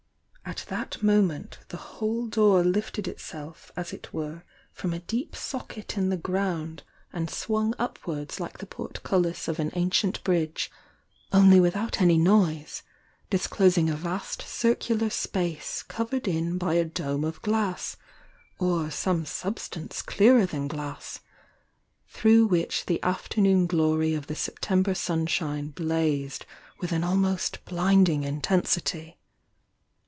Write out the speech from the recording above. At that moment the whole door lifted itself as it were from a deep socket in the ground and awung \W 182 THE YOUNG DIANA upwards like the portcullis of an ancient bridge, only without any noise, disclosing a vast circular space covered in by a dome of glass, or some sub stance clearer than glass, through which the after noon glory of the Septei. ber sunshine blazed with an tdmost blinding intensity.